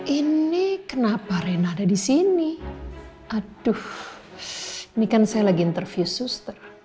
ini kenapa rena ada di sini aduh ini kan saya lagi interview suster